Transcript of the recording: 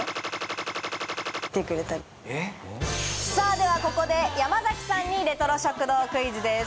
さぁではここで山崎さんにレトロ食堂クイズです。